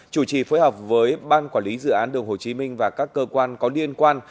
chủ trì phối hợp với ban quản lý dự án đường hồ chí minh và các cơ quan có liên quan